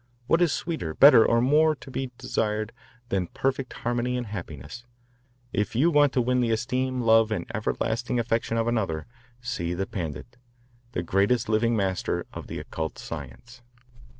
What is sweeter, better, or more to be desired than perfect harmony and happiness? If you want to win the esteem, love, and everlasting affection of another, see the Pandit, the greatest living master of the occult science.